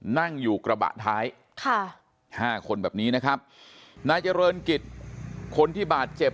นั่งอยู่กระบะท้ายค่ะห้าคนแบบนี้นะครับนายเจริญกิจคนที่บาดเจ็บ